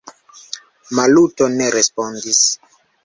Maluto ne respondis.